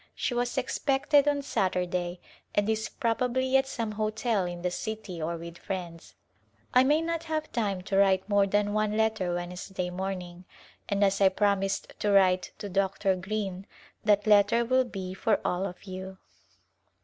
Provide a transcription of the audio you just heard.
She was expected on Saturday, and is, probably, at some hotel in the city or with friends. I may not have time to write more than one letter Wednesday morning, and as I promised to write to Dr. Greene that letter will be for all of you.